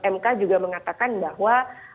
mk juga mengatakan bahwa